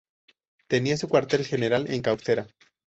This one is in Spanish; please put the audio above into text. Tenía su cuartel general en Castuera.